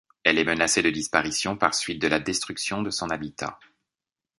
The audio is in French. Elle est menacée de disparition par suite de la destruction de son habitat.